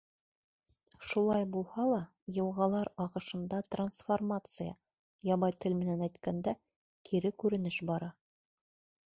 Шулай булһа ла, йылғалар ағышында трансформация, ябай тел менән әйткәндә, кире күренеш бара.